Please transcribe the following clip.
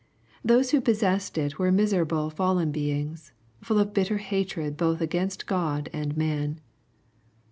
Those who possessed it were miserable fallen beings, full of bitter hatred both against God and man.